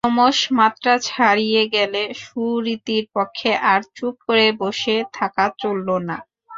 ক্রমশ মাত্রা ছাড়িয়ে গেল, সুরীতির পক্ষে আর চুপ করে বসে থাকা চলল না।